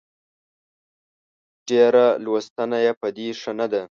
ډېره لوستنه يې په دې ښه نه ده